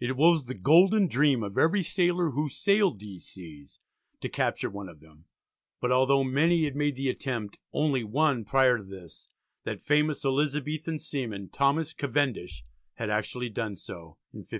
It was the golden dream of every sailor who sailed these seas to capture one of them, but although many had made the attempt, only one prior to this, that famous Elizabethan seaman Thomas Cavendish, had actually done so, in 1587.